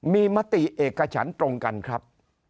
มีมติเอกฉันตรงกันครับ